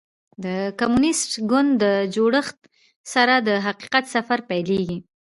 د کمونیسټ ګوند جوړېدو سره د حقیقت سفر پیلېږي.